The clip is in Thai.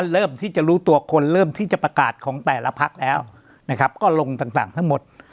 เริ่มที่จะประกาศของแต่ละพักแล้วนะครับก็ลงต่างต่างทั้งหมด